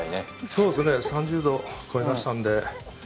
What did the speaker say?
そうですね、３０度を超えましたんで。